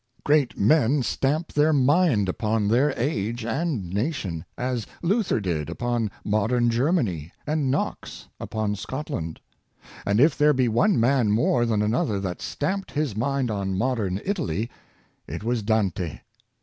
Great men stamp their mind upon their age and na tion— as Luther did upon modern Germany, and Knox upon Scotland. And if there be one man more than 80 Daniels Influence on Italy, another that stamped his mind on modern Italy, it was Dante.